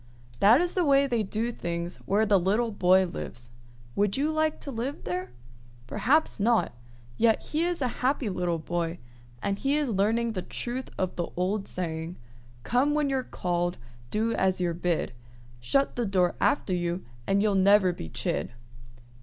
That is the way they do things where the little boy lives. Would you like to live there? Perhaps not; yet he is a happy little boy, and he is learning the truth of the old saying, "Come when you're called, do as you're bid, Shut the door after you, and you'll never be chid."